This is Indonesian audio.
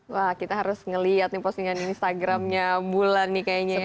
wah kita harus ngelihat nih postingan instagramnya bulan nih kayaknya ya